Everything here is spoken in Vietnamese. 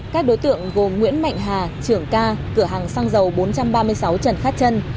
các đối tượng gồm nguyễn mạnh hà trưởng ca cửa hàng xăng dầu bốn trăm ba mươi sáu trần khát trân